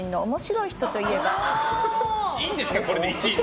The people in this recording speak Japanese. いいんですか？